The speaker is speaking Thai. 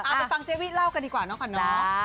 ไปฟังเจวิลเล่ากันดีกว่านะครับ